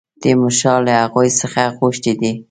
تیمورشاه له هغوی څخه غوښتي دي.